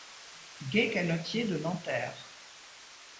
Gais canotiers de Nanterre